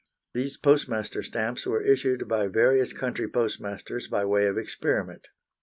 These "Postmaster stamps" were issued by various country postmasters by way of experiment.